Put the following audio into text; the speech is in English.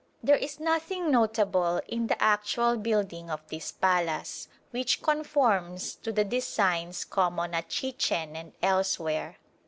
There is nothing notable in the actual building of this palace, which conforms to the designs common at Chichen and elsewhere.